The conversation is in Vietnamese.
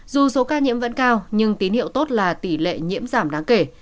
dù số ca nhiễm vẫn cao nhưng tín hiệu tốt là tỷ lệ nhiễm giảm đáng kể